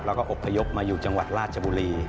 แล้วก็อบพยพมาอยู่จังหวัดราชบุรี